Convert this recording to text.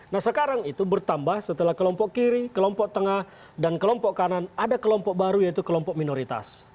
nah sekarang itu bertambah setelah kelompok kiri kelompok tengah dan kelompok kanan ada kelompok baru yaitu kelompok minoritas